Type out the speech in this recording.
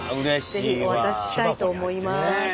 是非お渡ししたいと思います。